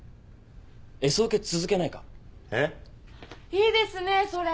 いいですねそれ。